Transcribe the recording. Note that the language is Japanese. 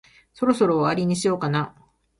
そろそろ終わりにしようかな。